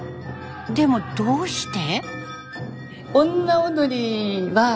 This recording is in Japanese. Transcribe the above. でもどうして？